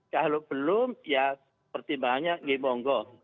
kalau belum ya pertimbangannya di monggo